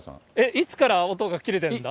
いつから音は切れてるんだ？